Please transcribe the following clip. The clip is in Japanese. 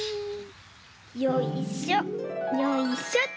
よいしょよいしょ。